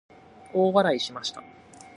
大笑いしました。